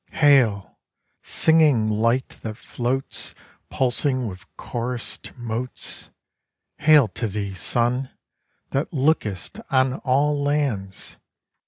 Hail, singing Light that floats Pulsing with chorused motes: Hail to thee, Sun, that lookest on all lands!